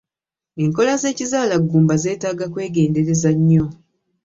Enkola z'ekizaalaggumba zeetaaga kwegendereza nnyo.